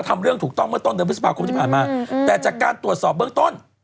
ทำเรื่องถูกต้องเมื่อต้นเดือนพฤษภาคมที่ผ่านมาแต่จากการตรวจสอบเบื้องต้น